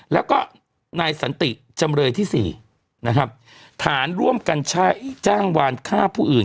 แล้วก็นายสันติจำเลยที่สี่นะครับฐานร่วมกันจ้างวานฆ่าผู้อื่น